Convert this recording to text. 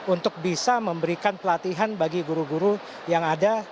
untuk bisa memberikan pelatihan bagi guru guru yang ada